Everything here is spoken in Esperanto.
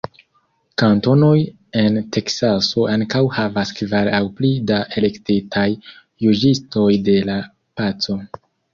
Kantonoj en Teksaso ankaŭ havas kvar aŭ pli da elektitaj Juĝistoj de la Paco.